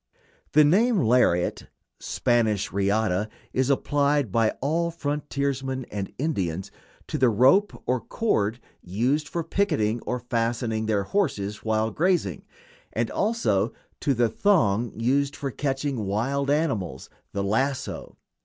The name "lariat" (Spanish, riata) is applied by all frontiersmen and Indians to the rope or cord used for picketing or fastening their horses while grazing, and also to the thong used for catching wild animals the lasso.